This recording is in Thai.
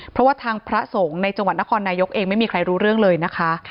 เพราะว่าทางพระสงฆ์ในจังหวัดนครนายกเองไม่มีใครรู้เรื่องเลยนะคะ